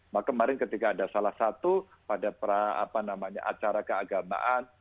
maka kemarin ketika ada salah satu pada acara keagamaan